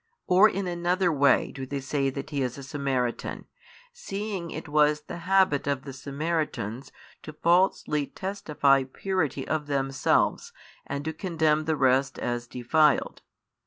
Or in another way do they say that He is a Samaritan, seeing it was the habit of the Samaritans to falsely testify purity of themselves and to condemn the rest as defiled.